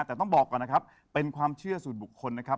แต่ต้องบอกก่อนนะครับเป็นความเชื่อส่วนบุคคลนะครับ